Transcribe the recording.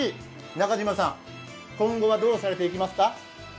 中島さん、今後はどうされていきますか？